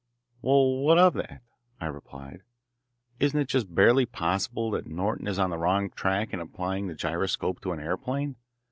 "Well, what of that" I replied. "Isn't it just barely possible that Norton is on the wrong track in applying the gyroscope to an aeroplane?